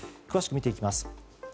詳しく見ていきます。